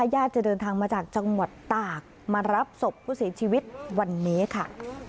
ญาติจะเดินทางมาจากจังหวัดตากมารับศพผู้เสียชีวิตวันนี้ค่ะ